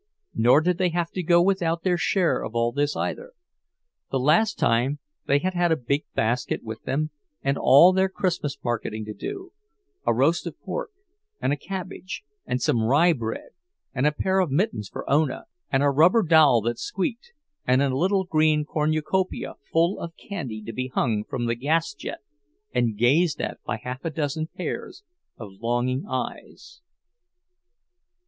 Nor did they have to go without their share of all this, either. The last time they had had a big basket with them and all their Christmas marketing to do—a roast of pork and a cabbage and some rye bread, and a pair of mittens for Ona, and a rubber doll that squeaked, and a little green cornucopia full of candy to be hung from the gas jet and gazed at by half a dozen pairs of longing eyes.